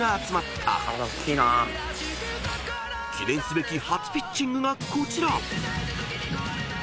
［記念すべき初ピッチングがこちら］